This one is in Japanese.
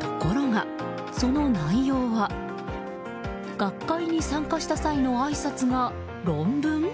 ところが、その内容は学会に参加した際のあいさつが論文？